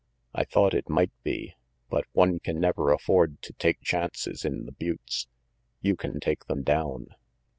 "I thought it might be, but one can never afford to take chances in the buttes. You can take them down."